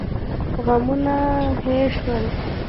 غمونه هېر شول.